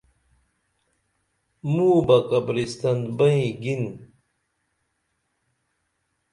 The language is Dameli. مو بہ قبرستن بئیں گِن